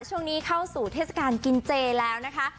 ช่วงนี้เข้าสู่เทศกาลกินเจแล้วนะคะ